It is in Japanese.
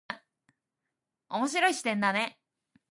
面白い視点だね。